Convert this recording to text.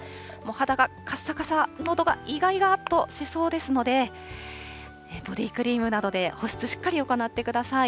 肌がかっさかさ、のどがいがいがとしそうですので、ボディークリームなどで保湿しっかり行ってください。